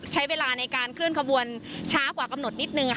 ใช้เวลาในการเคลื่อนขบวนช้ากว่ากำหนดนิดนึง